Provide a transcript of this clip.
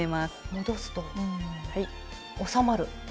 戻すと収まる。